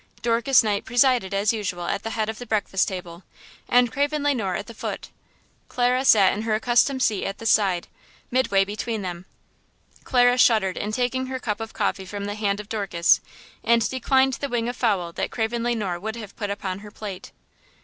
Dorcas Knight presided as usual at the head of the breakfast table, and Craven Le Noir at the foot. Clara sat in her accustomed seat at the side, midway between them. Clara shuddered in taking her cup of coffee from the hand of Dorcas, and declined the wing of fowl that Craven Le Noir would have put upon her plate.